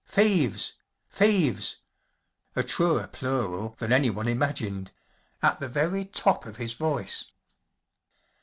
thieves l thieves "‚ÄĒa truer plural than any¬ one imagined‚ÄĒat the very top of his voice.